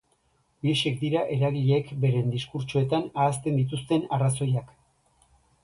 Horiexek dira eragileek beren diskurtsoetan ahazten dituzten arrazoiak.